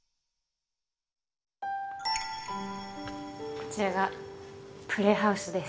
こちらがプレイハウスです。